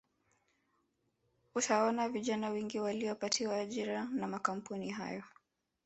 Utaona vijana wengi waliopatiwa ajira na makampuni hayo